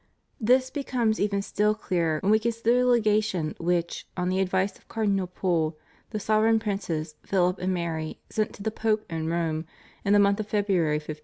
This becomes even still clearer when we consider the legation which, on the advice of Cardinal Pole, the Sov ereign Princes, Philip and Mary, sent to the Pope in Rome in the month of February, 1555.